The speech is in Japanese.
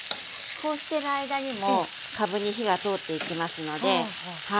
こうしてる間にもかぶに火が通っていきますのではい。